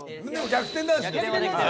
逆転男子。